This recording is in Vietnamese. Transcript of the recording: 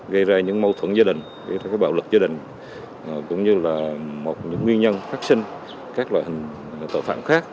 gây ra những mâu thuẫn gia đình gây ra bạo lực gia đình cũng như là một nguyên nhân phát sinh các loại hình tội phạm khác